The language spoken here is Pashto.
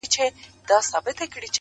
هره ورځ نوی درس وړاندې کوي’